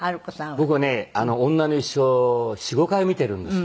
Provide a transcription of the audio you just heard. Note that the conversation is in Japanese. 僕はね『女の一生』４５回見てるんですよ。